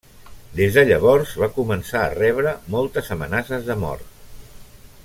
Des de llavors, va començar a rebre moltes amenaces de mort.